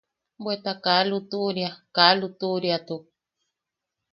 Bweta kaa lutuʼuria, kaa lutuʼuriatuk.